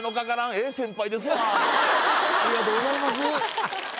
ありがとうございます。